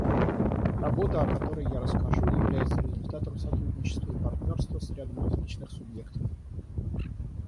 Работа, о которой я расскажу, является результатом сотрудничества и партнерства с рядом различных субъектов.